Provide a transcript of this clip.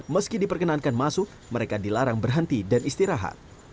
meski diperkenankan masuk mereka dilarang berhenti dan istirahat